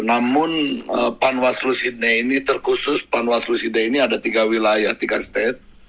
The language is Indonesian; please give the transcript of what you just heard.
namun panwaslu sidney ini terkhusus panwaslu side ini ada tiga wilayah tiga state